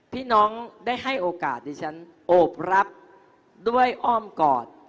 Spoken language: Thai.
พี่น้องได้ให้โอกาสดิฉันโอบรับด้วยอ้อมกอด